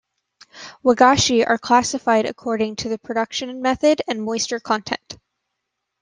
"Wagashi" are classified according to the production method and moisture content.